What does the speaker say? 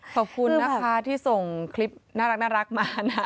ขอบคุณนะคะที่ส่งคลิปน่ารักมานะ